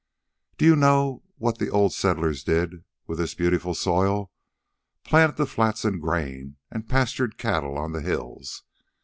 "Do you know what the old settlers did with this beautiful soil? Planted the flats in grain and pastured cattle on the hills.